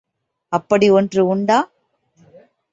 அப்படி ஒன்று உண்டா?